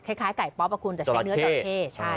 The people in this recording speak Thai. คล้ายไก่ป๊อปอ่ะคุณแต่ใช้เนื้อจาระเข้